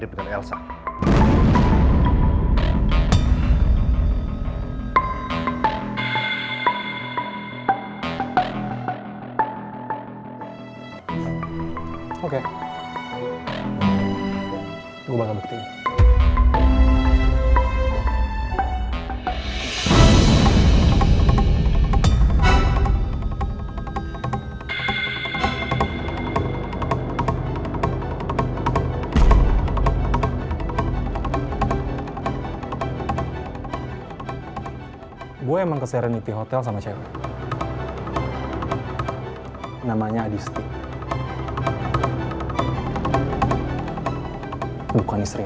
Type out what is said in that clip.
bukan istri emang